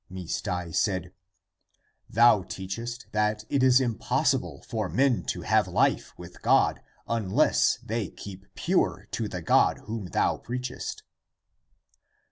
Mis dai said, " Thou teachest that it is impossible for men to have life with God unless they keep pure to the God whom thou preachest."